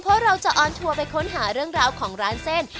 เพราะเราจะออนทัวร์ไปค้นหาเรื่องราวของร้านเส้น